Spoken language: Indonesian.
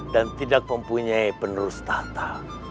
dan tidak mempunyai penerus tahta